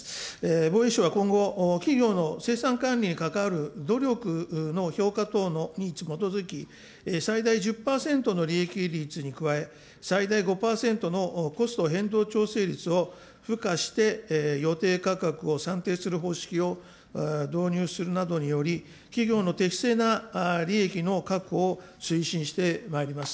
防衛省は今後、企業の生産管理に関わる努力の評価等に基づき最大１０％の利益率に加え、最大５％のコスト変動調整率をして予定価格を算定する方式を導入するなどにより、企業の適正な利益の確保を推進してまいります。